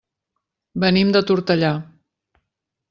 Venim de Tortellà.